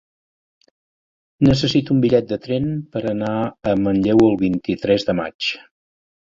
Necessito un bitllet de tren per anar a Manlleu el vint-i-tres de maig.